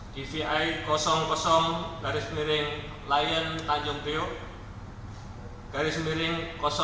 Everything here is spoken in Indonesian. dvi garis miring layang tanjung priok garis miring tiga puluh lima